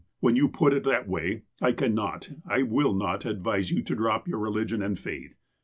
When you put it that way, I can not, I will not advise you to drop your religion and faith.